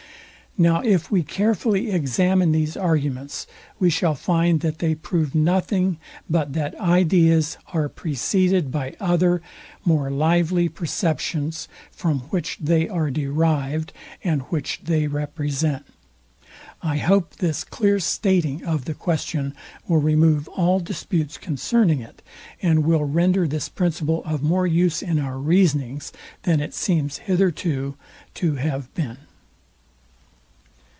Now if we carefully examine these arguments, we shall find that they prove nothing but that ideas are preceded by other more lively perceptions, from which the are derived, and which they represent. I hope this clear stating of the question will remove all disputes concerning it, and win render this principle of more use in our reasonings, than it seems hitherto to have been.